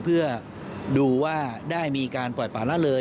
เพื่อดูว่าได้มีการปลอดภัณฑ์แล้วเลย